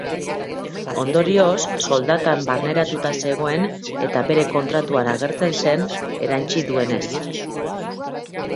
Ondorioz, soldatan barneratuta zegoen eta bere kontratuan agertzen zen, erantsi duenez.